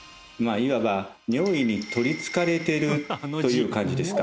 いわば尿意に取りつかれてるという感じですか